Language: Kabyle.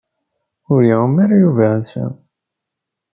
Ur iɛum ara Yuba ass-a.